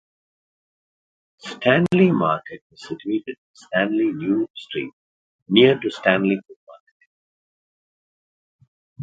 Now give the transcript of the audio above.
Stanley Market is situated in Stanley New Street near the Stanley food market.